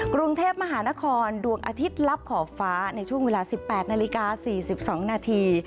กรุงเทพมหานครดวงอาทิตย์ลับขอบฟ้าในช่วงเวลา๑๘นาฬิกา๔๒นาที